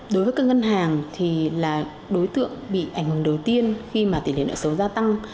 đối với các ngân hàng đối tượng bị ảnh hưởng đầu tiên khi tỷ lệ nợ xấu gia tăng